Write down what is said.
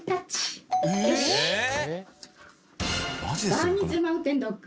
バーニーズマウンテンドッグ。